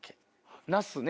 「なす」ね